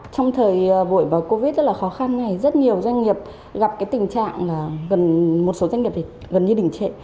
trong thời buổi covid rất là khó khăn này rất nhiều doanh nghiệp gặp cái tình trạng là gần một số doanh nghiệp thì gần như đỉnh trệ